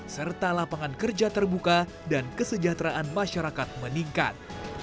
serta lapangan kerja terbuka dan kesejahteraan masyarakat meningkat